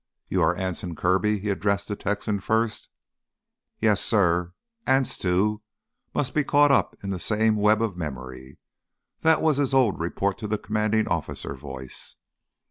"You are Anson Kirby?" he addressed the Texan first. "Yes, suh." Anse, too, must be caught up in the same web of memory. That was his old report to the commanding officer voice.